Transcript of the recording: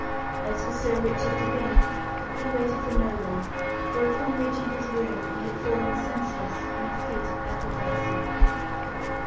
As for Sir Richard Devine, he waited for no one, for upon reaching his room he had fallen senseless in a fit of apoplexy.